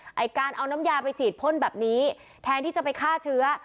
ไอ้การเอาน้ำยาไปฉีดพ่นแบบนี้แทนที่จะไปฆ่าเชื้อ